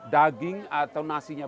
daging atau nasinya